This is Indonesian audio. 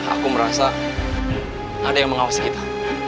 aku merasa ada yang mengawasi kita